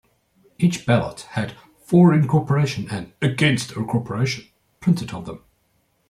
Each ballot had "For incorporation" and "Against incorporation" printed on them.